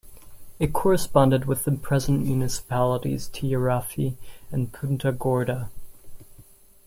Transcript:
It corresponded with the present municipalities Tijarafe and Puntagorda.